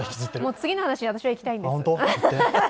次の話、私はいきたいんです。